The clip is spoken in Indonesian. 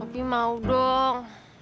opi mau dong